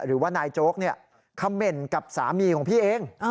หรือว่านายโจ๊กคำเหม็นกับสามีของพี่เอง